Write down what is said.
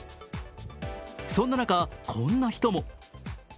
そんな中、こんな人も。